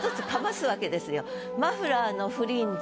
「マフラーのフリンジ」